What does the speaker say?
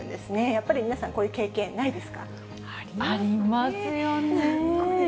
やっぱり皆さん、こういう経験、ありますよね。